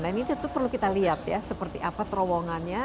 nah ini tentu perlu kita lihat ya seperti apa terowongannya